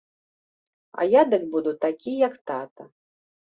А я дык буду такі, як тата.